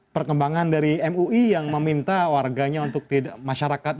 perkembangan dari mui yang meminta warganya untuk masyarakat